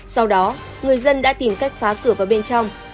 sau đó người dân đã tìm cách phá cửa vào bên trong